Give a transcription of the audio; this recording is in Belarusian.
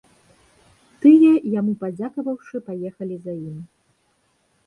Тыя, яму падзякаваўшы, паехалі за ім.